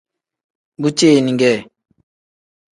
Bu ceeni kee.